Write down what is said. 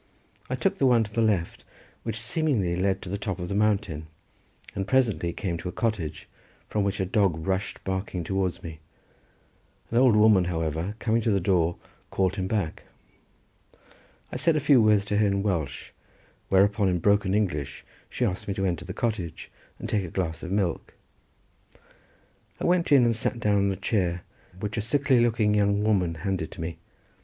I took the one to the left, which seemingly led to the top of the mountain, and presently came to a cottage from which a dog rushed barking towards me; an old woman, however, coming to the door, called him back. I said a few words to her in Welsh, whereupon in broken English she asked me to enter the cottage and take a glass of milk. I went in and sat down on a chair which a sickly looking young woman handed to me.